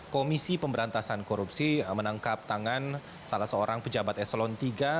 komisi pemberantasan korupsi menangkap tangan salah seorang pejabat eselon iii